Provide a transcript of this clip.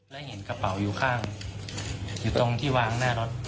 และเห็นกระเป๋าอยู่ข้างอยู่ตรงที่วางหน้ารถ